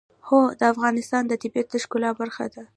هوا د افغانستان د طبیعت د ښکلا برخه ده.